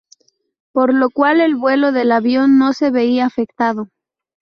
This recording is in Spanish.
Por lo cual el vuelo del avión no se veía afectado.